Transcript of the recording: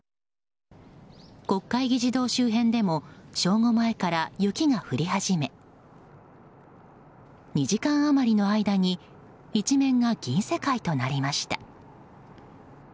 国会議事堂周辺でも正午前から雪が降り始め２時間余りの間に一面が銀世界となりました。